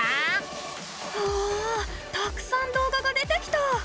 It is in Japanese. うわたくさん動画が出てきた！